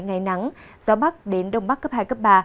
ngày nắng gió bắc đến đông bắc cấp hai cấp ba